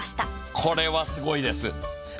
これはすごいです。